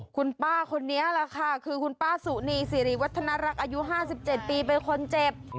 คุณป้าคนนี้แหละค่ะคือคุณป้าสุนีสิริวัฒนรักษ์อายุ๕๗ปีเป็นคนเจ็บ